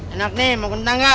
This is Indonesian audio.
enak nih mau kentang enggak